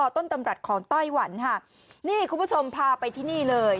ต้นตำรับของไต้หวันค่ะนี่คุณผู้ชมพาไปที่นี่เลย